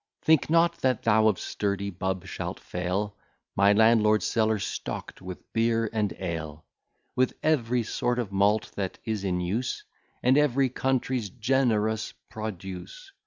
Think not that thou of sturdy bub shalt fail, My landlord's cellar stock'd with beer and ale, With every sort of malt that is in use, And every country's generous produce.